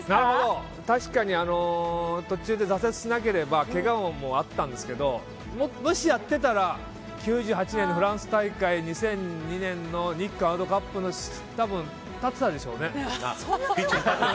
確かに、途中で挫折しなければけがもあったんですけどもし、やっていたら９８年のフランス大会２００２年の日韓ワールドカップで多分、立ってたでしょうね。